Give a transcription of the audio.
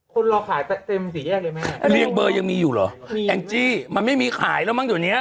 คุณรอขายแต่เต็มสี่แยกเลยไหมเรียงเบอร์ยังมีอยู่เหรอมันไม่มีขายแล้วมั้งตอนเนี้ย